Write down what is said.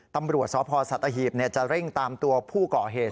ตำรวจสพสัตหีบจะเร่งตามตัวผู้ก่อเหตุ